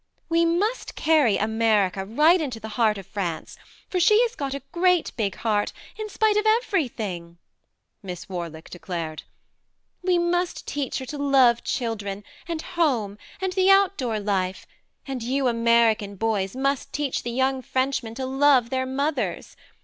" We must carry America right into the heart of France for she has got a great big heart, in spite of everything" Miss Warlick declared. "We must teach her to love children and home and the outdoor life, and you American boys must teach the young Frenchmen to love their mothers.